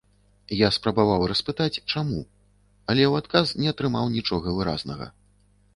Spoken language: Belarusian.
Я спрабаваў распытаць, чаму, але ў адказ не атрымаў нічога выразнага.